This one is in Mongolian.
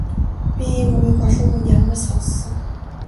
Би ийм үгийг олон хүний амнаас сонссон.